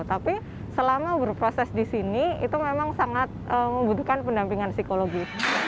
tapi selama berproses di sini itu memang sangat membutuhkan pendampingan psikologi